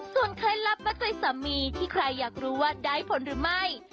เคล็ดลับมาใจสามีที่ใครอยากรู้ว่าได้ผลหรือไม่